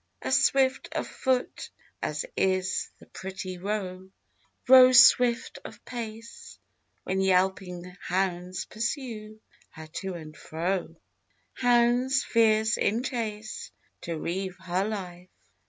As swift of foot as is the pretty roe, Roe swift of pace: When yelping hounds pursue her to and fro, Hounds fierce in chase To reave her life.